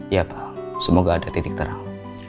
ya pak semoga ada titik terang